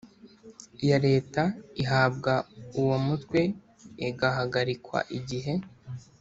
Ya leta ihabwa uwo mutwe igahagarikwa igihe